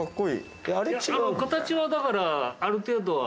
形はだからある程度は。